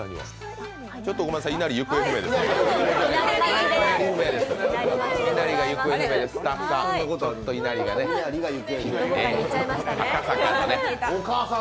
ちょっとごめんなさい、いなりが行方不明です、スタッフさん。